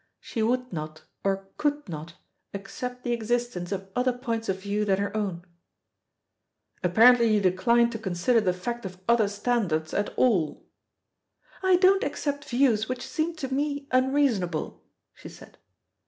She would not, or could not, accept the existence of other points of view than her own. "Apparently you decline to consider the fact of other standards at all." "I don't accept views which seem to me unreasonable," she said.